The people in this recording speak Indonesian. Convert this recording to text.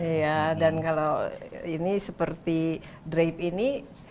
iya dan kalau ini seperti drive ini